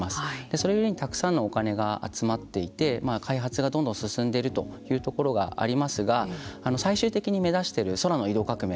それゆえにたくさんのお金が集まっていて開発がどんどん進んでいるというところがありますが最終的に目指している空の移動革命